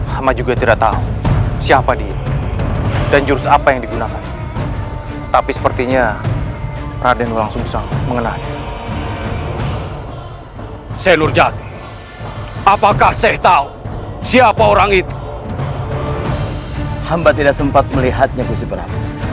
sampai jumpa di video selanjutnya